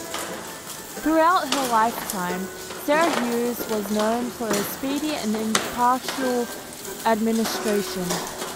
Throughout her lifetime, Sarah Hughes was known for her speedy and impartial administration.